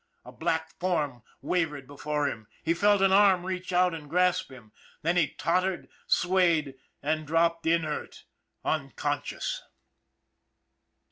A black form wavered before him, he felt an arm reach out and grasp him then he tottered, swayed, and dropped inert, unconscious.